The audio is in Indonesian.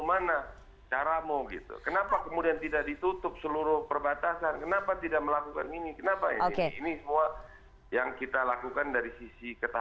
alat yang tidak bisa mendeteksi